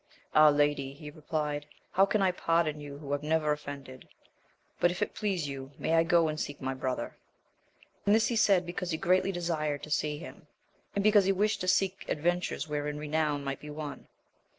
Ah, lady, he replied, how can I pardon you who have never offended; but if it please you, may I go and seek my brother ? And this he said because he greatly desired to see him, and because he wished to seek adventures wherein renown might be won.